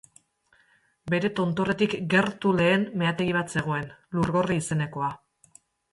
Bere tontorretik gertu lehen meategi bat zegoen, Lurgorri izenekoa.